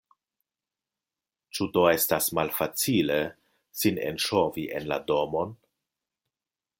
Ĉu do estas malfacile sin enŝovi en la domon?